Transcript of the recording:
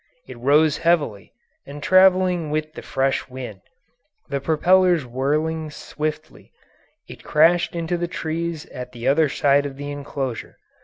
It rose heavily, and travelling with the fresh wind, the propellers whirling swiftly, it crashed into the trees at the other side of the enclosure.